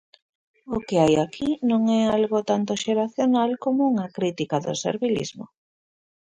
O que hai aquí non é algo tanto xeracional como unha crítica do servilismo.